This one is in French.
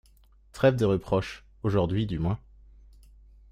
Trêve de reproches, aujourd'hui, du moins.